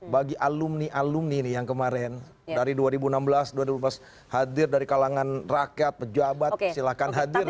bagi alumni alumni nih yang kemarin dari dua ribu enam belas dua ribu empat belas hadir dari kalangan rakyat pejabat silahkan hadir